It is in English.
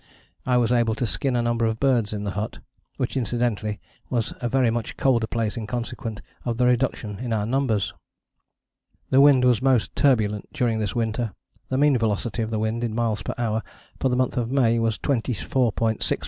I was able to skin a number of birds in the hut; which, incidentally, was a very much colder place in consequence of the reduction in our numbers. The wind was most turbulent during this winter. The mean velocity of the wind, in miles per hour, for the month of May was 24.6 m.